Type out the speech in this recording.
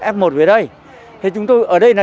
f một về đây thế chúng tôi ở đây là